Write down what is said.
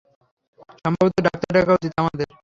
সম্ভবত, ডাক্তার ডাকা উচিৎ আমাদের।